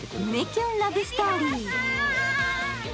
キュンラブストーリー。